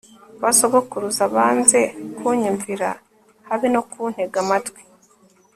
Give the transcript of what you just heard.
ba sokuruza banze kunyumvira habe no kuntega amatwi